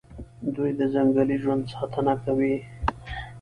دوی د ځنګلي ژوند ساتنه کوي.